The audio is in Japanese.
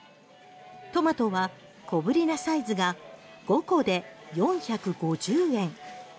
トマトは小ぶりなサイズが５個で４５０円。